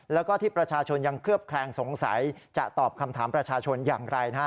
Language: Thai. แล้วก็ที่ประชาชนยังเคลือบแคลงสงสัยจะตอบคำถามประชาชนอย่างไรนะฮะ